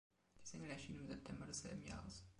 Die Single erschien im September desselben Jahres.